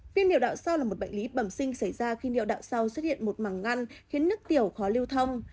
viêm niệu đạo sau là một bệnh lý bẩm sinh xảy ra khi niệu đạo sau xuất hiện một màng ngăn khiến đứt tiểu khó lưu thông